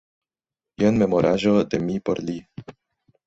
Jen memoraĵo de mi por li.